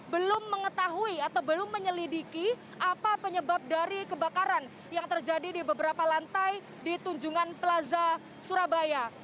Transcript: belum mengetahui atau belum menyelidiki apa penyebab dari kebakaran yang terjadi di beberapa lantai di tunjungan plaza surabaya